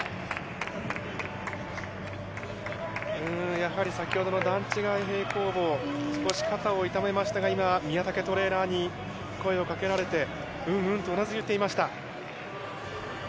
やはり、先ほどの段違い平行棒、少し肩を痛めましたが、今、みやたけトレーナーに声をかけられて、うんうんとうなずいていました。